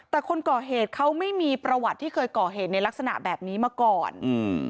แต่คนก่อเหตุเขาไม่มีประวัติที่เคยก่อเหตุในลักษณะแบบนี้มาก่อนอืม